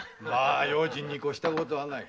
用心に越したことはない。